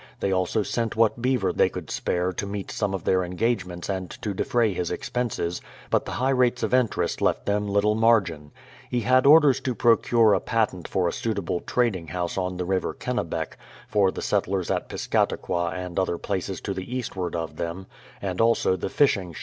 They also sent what beaver they could spare to meet some of their engagements and to defray his expenses; but the high rates of interest left them Httle margin. He had orders to procure a patent for a suitable trading house on the river Kennebec ; for the settlers at Piscataqua and other places to the eastward of them, and also the fishing ships.